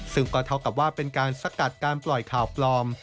ซึ่งก็เท่ากับว่าเป็นการสกัดการปล่อยข่าวปลอม